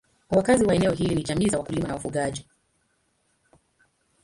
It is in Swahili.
Wakazi wa eneo hili ni jamii za wakulima na wafugaji.